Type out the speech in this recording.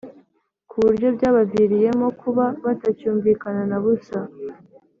ku buryo byabaviriyemo kuba batacyumvikana na busa